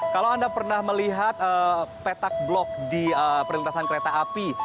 kalau anda pernah melihat petak blok di perlintasan kereta api